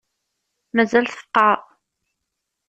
Mazal tfeqεeḍ?